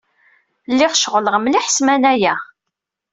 Lliɣ ceɣleɣ mliḥ ssmana-ya.